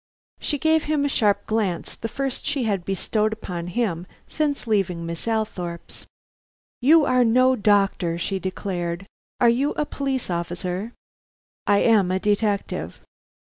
She gave him a sharp glance; the first she had bestowed upon him since leaving Miss Althorpe's. "You are no doctor," she declared. "Are you a police officer?" "I am a detective."